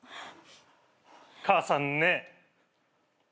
母さんね。